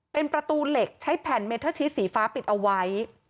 เป็นประตูเหล็กใช้แผ่นเมเทอร์ชีสสีฟ้าปิดเอาไว้